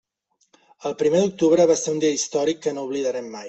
El primer d'octubre va ser un dia històric que no oblidarem mai.